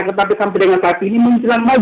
tapi sampai dengan saat ini menjelang madrid